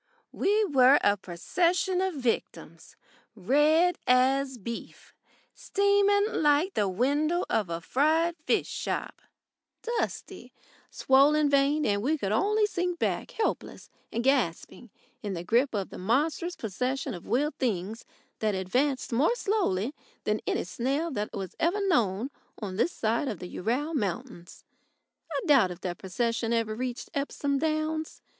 We were a procession of victims red as beef, steaming like the window of a fried fish shop, dusty, swollen veined and we could only sink back helpless and gasping in the grip of the monstrous procession of wheeled things that advanced more slowly than any snail that was ever known on this side of the Ural Mountains. I doubt if that procession ever reached Epsom Downs.